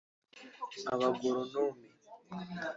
abagoronome